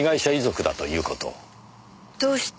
どうして。